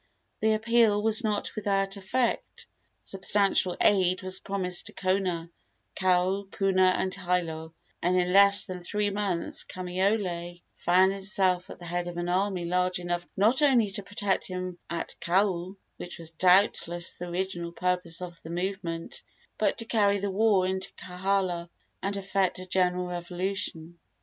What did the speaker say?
The appeal was not without effect. Substantial aid was promised in Kona, Kau, Puna and Hilo, and in less than three months Kamaiole found himself at the head of an army large enough not only to protect him at Kau, which was doubtless the original purpose of the movement, but to carry the war into Kohala and effect a general revolution.